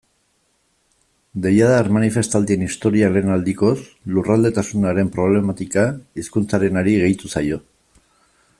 Deiadar manifestaldien historian lehen aldikoz, lurraldetasunaren problematika hizkuntzarenari gehitu zaio.